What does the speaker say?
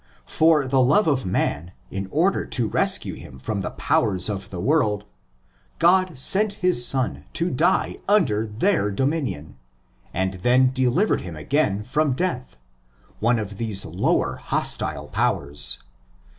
For the love of man, in order to rescue him from the powers of the world, God sent his Son to die under their dominion, and then delivered him again from '' death ''—one of these lower, hostile powers.